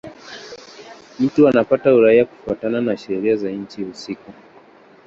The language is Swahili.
Mtu anapata uraia kufuatana na sheria za nchi husika.